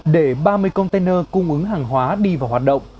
để ba mươi container cung ứng hàng hóa đi vào hoạt động